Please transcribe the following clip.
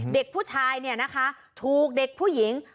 เด็กผู้ชายเนี่ยนะคะถูกเด็กผู้หญิง